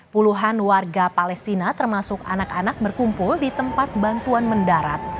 puluhan warga palestina termasuk anak anak berkumpul di tempat bantuan mendarat